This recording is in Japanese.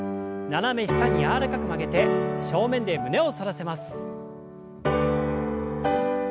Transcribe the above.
斜め下に柔らかく曲げて正面で胸を反らせます。